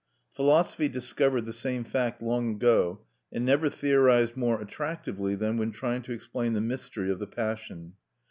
Philosophy discovered the same fact long ago, and never theorized more attractively than when trying to explain the mystery of the passion.